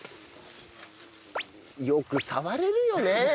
よく触れるよね！